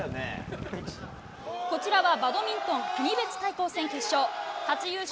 こちらはバドミントン国別対抗戦決勝。